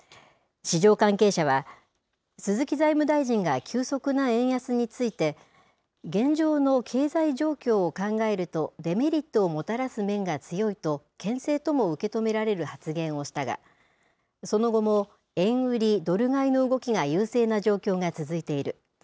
市場関係者は、鈴木財務大臣が急速な円安について、現状の経済状況を考えると、デメリットをもたらす面が強いと、けん制とも受け止められる発言をしたが、その後も、円売りドル買いの動きが優勢な状況が続いている。